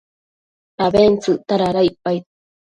abentsëcta dada icpaid